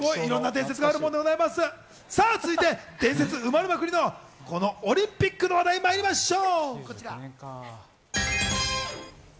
続いて伝説生まれまくりのオリンピックの話題にまいりましょう。